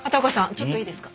ちょっといいですか？